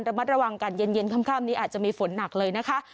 ระมัดระวังกันเย็นค่ำนี้อาจจะมีฝนหนักเลยนะคะ